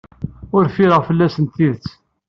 Ur ffireɣ fell-asent tidet.